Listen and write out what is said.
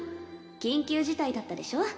緊急事態だったでしょ？